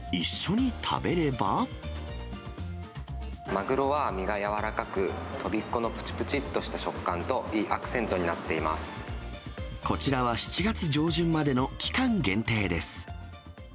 マグロは身が柔らかく、とびっこのぷちぷちっとした食感と、いいアクセントになっていまこちらは７月上旬までの期間限定です。